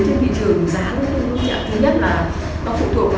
thứ nhất là